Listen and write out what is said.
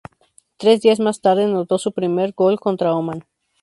Tres días más tarde anotó su primer gol contra Omán.